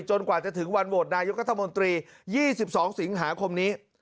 กว่าจะถึงวันโหวตนายกรัฐมนตรี๒๒สิงหาคมนี้